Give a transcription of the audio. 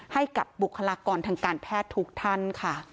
ให้กับบุคลากรทางการแพทย์ทุกท่านค่ะ